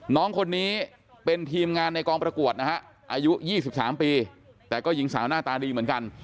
น้องคนนี้เป็นทีมงานในกองประกวดนะฮะอายุ๒๓ปีแต่ก็หญิงสาวหน้าตาดีเหมือนกัน